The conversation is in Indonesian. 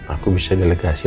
aku bisa delegasi